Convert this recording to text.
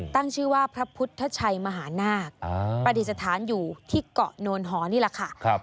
ตั้งชื่อว่าพระพุทธชัยมหานาคประดิษฐานอยู่ที่เกาะโนนหอนี่แหละค่ะ